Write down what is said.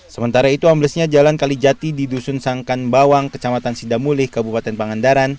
sementara itu amblesnya jalan kalijati di dusun sangkan bawang kecamatan sidamulih kabupaten pangandaran